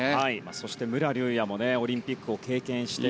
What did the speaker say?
そして、武良竜也もオリンピックを経験して。